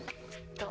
どう？